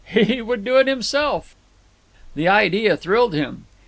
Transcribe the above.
He would do it himself. The idea thrilled him.